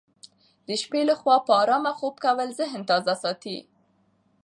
د شپې لخوا په ارامه خوب کول ذهن تازه ساتي.